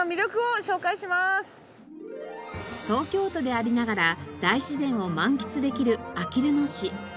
東京都でありながら大自然を満喫できるあきる野市。